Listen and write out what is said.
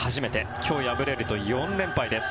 今日敗れると４連敗です。